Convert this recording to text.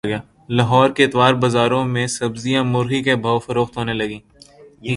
لاہور کے اتوار بازاروں میں سبزیاں مرغی کے بھاو فروخت ہونے لگیں